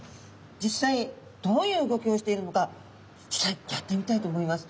実際どういう動きをしているのか実際やってみたいと思います。